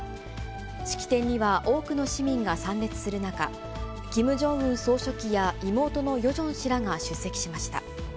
式典には多くの市民が参列する中、キム・ジョンウン総書記や妹のヨジョン氏らが出席しました。